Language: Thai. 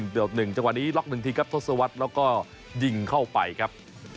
เกือบ๑จังหวะนี้ล็อก๑ทีครับทศวรรษแล้วก็ยิงเข้าไปครับ